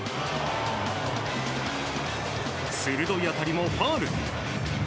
鋭い当たりもファウル。